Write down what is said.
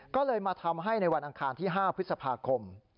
ก็เลยมาทำให้ในวันอังคารที่๕พฤษภาคม